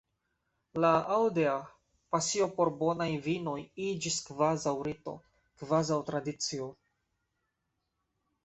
La "Aude-a" pasio por bonaj vinoj iĝis kvazaŭ rito, kvazaŭ tradicio.